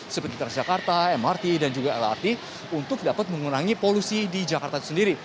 seperti transjakarta mrt dan juga lrt untuk dapat mengurangi polusi di jakarta itu sendiri